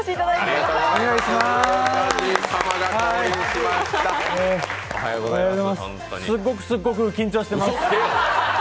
すっごくすっごく緊張しています。